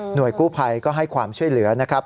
กู้ภัยก็ให้ความช่วยเหลือนะครับ